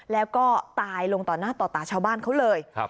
แล้วก็ตายลงต่อหน้าต่อตาชาวบ้านเขาเลย